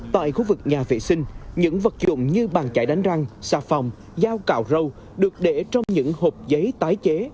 tại khu vực nhà vệ sinh những vật dụng như bàn chạy đánh răng xà phòng dao cạo râu được để trong những hộp giấy tái chế